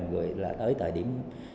rồi là tới thời điểm